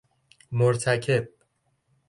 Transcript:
مرتکب